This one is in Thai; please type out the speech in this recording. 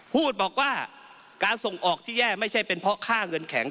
พูดบอกว่าการส่งออกที่แย่ไม่ใช่เป็นเพราะค่าเงินแข็ง